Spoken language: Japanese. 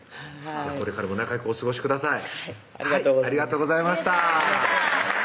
これからも仲よくお過ごしください